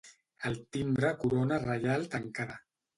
Al timbre Corona Reial Tancada.